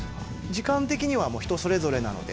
時間的には人それぞれなので。